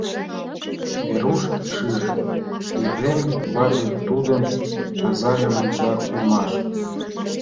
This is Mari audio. Веруш шиже: Епрем вате тудын азажым онча улмаш.